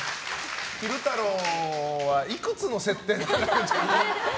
昼太郎はいくつの設定なんだ。